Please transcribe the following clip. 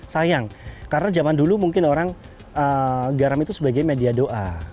sayang karena zaman dulu mungkin orang garam itu sebagai media doa